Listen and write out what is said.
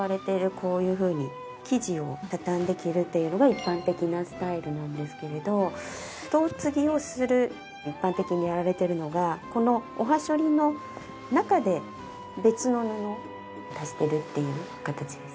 こういうふうに生地を畳んで着るっていうのが一般的なスタイルなんですけれどどうつぎをする一般的にやられてるのがこのおはしょりの中で別の布を足してるっていう形ですね。